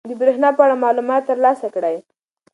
د بریښنا په اړه معلومات ترلاسه کړئ.